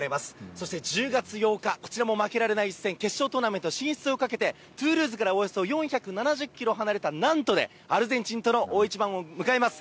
そして１０月８日、こちらも負けられない一戦、決勝トーナメント進出をかけて、トゥールーズからおよそ４７０キロ離れたナントでアルゼンチンとの大一番を迎えます。